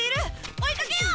追いかけよう！